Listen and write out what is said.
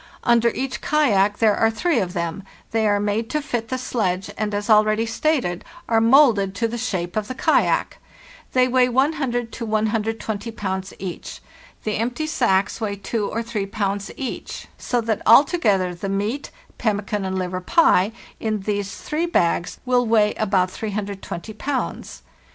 Under each kayak there are three of them, they are made to fit the sledge, and, as already stated, are moulded to the shape of the kayak. They weigh 1too to 120 pounds each. The empty sacks weigh 2 or 3 pounds each, so that alto gether the meat (pemmican and liver pie) in these three bags will weigh about 320 pounds.